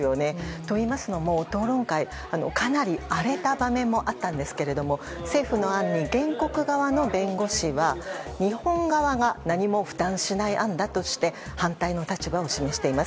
といいますのも、討論会かなり荒れた場面もあったんですけど政府の案に原告側の弁護士は日本側が何も負担しない案だとして反対の立場を示しています。